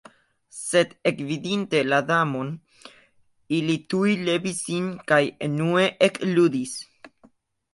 Sed ekvidinte la Damon, ili tuj levis sin kaj enue ekludis.